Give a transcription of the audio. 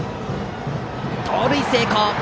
盗塁成功！